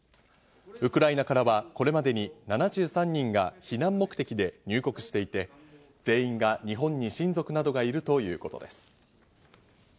ウクライナからは、これまでに７３人が避難目的で入国していて全員が日本に親族などがいるということです。